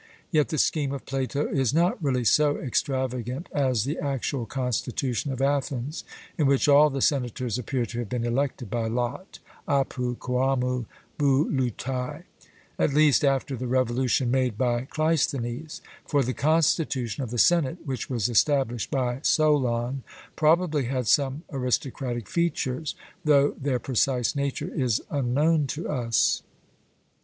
Yet the scheme of Plato is not really so extravagant as the actual constitution of Athens, in which all the senators appear to have been elected by lot (apo kuamou bouleutai), at least, after the revolution made by Cleisthenes; for the constitution of the senate which was established by Solon probably had some aristocratic features, though their precise nature is unknown to us.